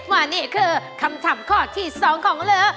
ว่านี่คือคำถามข้อที่สองของเรอะ